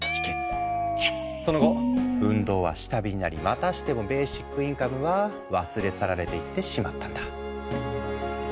その後運動は下火になりまたしてもベーシックインカムは忘れ去られていってしまったんだ。